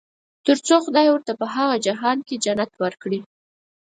تر څو خدای ورته په هغه جهان کې جنت ورکړي.